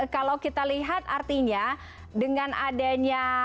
kalau kita lihat artinya dengan adanya